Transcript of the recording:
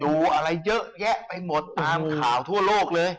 อะไรเยอะแยะไปหมดตามข่าวทั่วโลกเลย